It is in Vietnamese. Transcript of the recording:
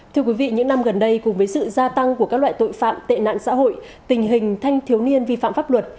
thưa quý vị những năm gần đây cùng với sự gia tăng của các loại tội phạm tệ nạn xã hội tình hình thanh thiếu niên vi phạm pháp luật